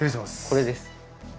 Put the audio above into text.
これです。